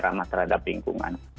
ramah terhadap lingkungan